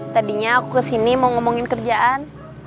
tadinya aku kesini mau ngomongin kerjaan